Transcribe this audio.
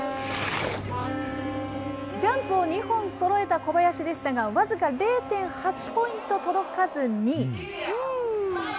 ジャンプを２本そろえた小林でしたが、僅か０．８ポイント届かず２位。